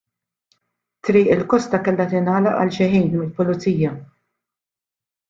Triq il-Kosta kellha tingħalaq għal xi ħin mill-Pulizija.